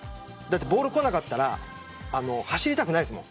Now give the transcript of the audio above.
ボールが来なかったら走りたくないですもん。